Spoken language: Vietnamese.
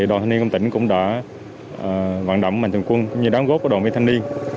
đoàn thanh niên công tỉnh cũng đã vận động mạnh thường quân cũng như đóng góp của đoàn viên thanh niên